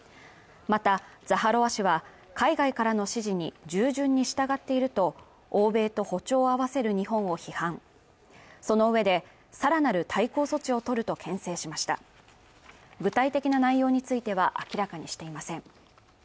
またザハロワ氏は海外からの指示に従順に従っていると欧米と歩調を合わせる日本を批判その上でさらなる対抗措置を取るとけん制しました具体的な内容については明らかにしていません